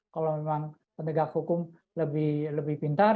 kalau memang penegak hukum lebih pintar